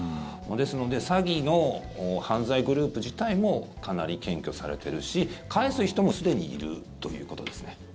ですので詐欺の犯罪グループ自体もかなり検挙されてるし返す人もすでにいるということですね。